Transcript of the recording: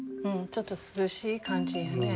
ちょっと涼しい感じよね。